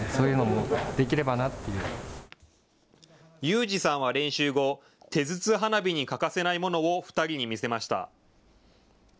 勇仁さんは練習後、手筒花火に欠かせないものを２人に見せました。